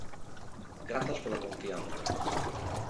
Grazas pola confianza.